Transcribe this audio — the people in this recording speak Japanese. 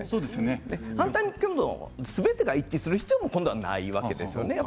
反対に、すべてが一致することも必要がないわけですよね。